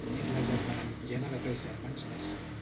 És la germana mitjana de tres germans més.